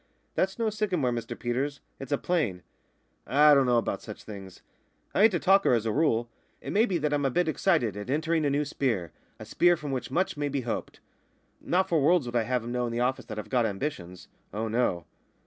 "That's no sycamore, Mr Peters. It's a plane." "I don't know about such things. I ain't a talker as a rule. It may be that I'm a bit excited at entering on a new sp'ere, a sp'ere from which much may be hoped. Not for worlds would I have 'em know in the office that I've got ambitions oh, no!"